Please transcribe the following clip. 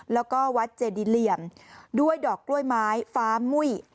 แล้วก็วัดเจดีเหลี่ยมด้วยดอกกล้วยไม้ฟ้ามุ้ย